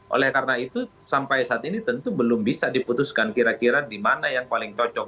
oleh karena itu sampai saat ini tentu belum bisa diputuskan kira kira di mana yang paling cocok